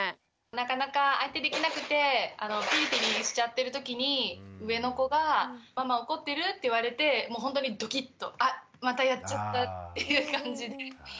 なかなか相手できなくてピリピリしちゃってるときに上の子が「ママ怒ってる？」って言われてほんとにドキッと「あまたやっちゃった」っていう感じで。